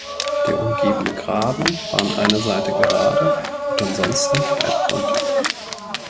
Der umgebende Graben war an einer Seite gerade und ansonsten halbrund.